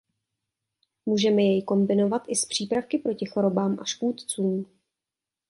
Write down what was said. Můžeme jej kombinovat i s přípravky proti chorobám a škůdcům.